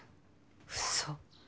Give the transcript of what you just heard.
ウソ！